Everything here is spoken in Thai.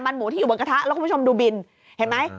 หมูที่อยู่บนกระทะแล้วคุณผู้ชมดูบินเห็นไหม